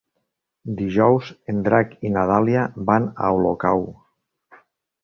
Dijous en Drac i na Dàlia van a Olocau.